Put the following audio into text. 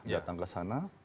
datang ke sana